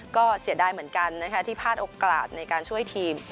ก็เสียดายเหมือนกันนะคะที่พลาดโอกาสในการช่วยทีม